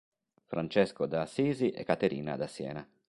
Francesco da Assisi e Caterina da Siena".